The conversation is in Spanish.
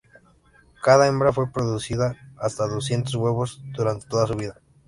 Cada hembra puede producir hasta doscientos huevos durante toda su vida.